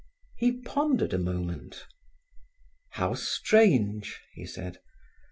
He pondered a moment. "How strange!" he said.